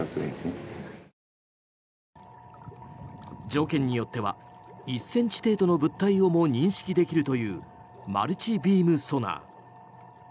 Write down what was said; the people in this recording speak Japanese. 条件によっては１ｃｍ程度の物体をも認識できるというマルチビームソナー。